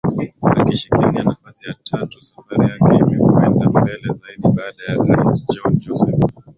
akishikilia nafasi ya tatu Safari yake imekwenda mbele zaidi baada ya Rais John Joseph